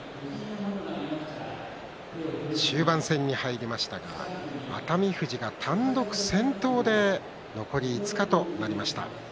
終盤戦に入りましたが熱海富士が単独先頭で残り５日となりました。